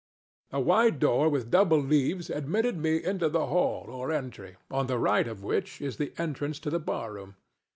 A wide door with double leaves admitted me into the hall or entry, on the right of which is the entrance to the bar room.